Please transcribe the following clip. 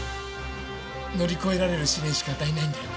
乗り越えられる試練しか与えないんだよ